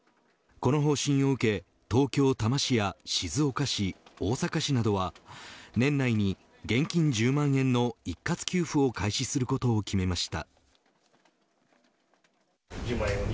この方針を受け東京、多摩市や静岡市大阪市などは年内に現金１０万円の一括給付を開始することを決めました。